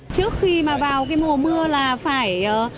trước khi mà vào cái mùa mưa là phải